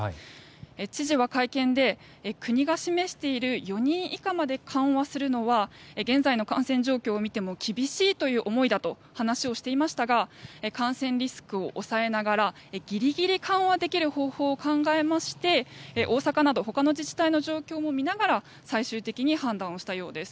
知事は会見で、国が示している４人以下まで緩和するのは現在の感染状況を見ても厳しいという思いだと話をしていましたが感染リスクを抑えながらギリギリ緩和できる方法を考えまして大阪など他の自治体の状況も見ながら最終的に判断したようです。